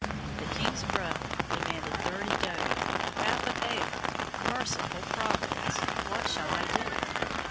The king's brother, demanded thirty doti! Half a bale! Merciful Providence! What shall I do?